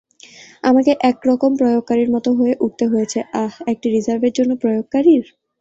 আমাকে একরকম প্রয়োগকারীর মত হয়ে উঠতে হয়েছে, আহ, একটি রিজার্ভের জন্য প্রয়োগকারীর?